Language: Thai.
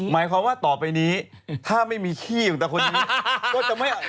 หมายความว่าต่อไปนี้ถ้าไม่มีขี้ของแต่คนนี้